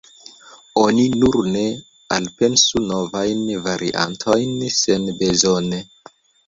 Oni nur ne elpensu novajn variantojn senbezone.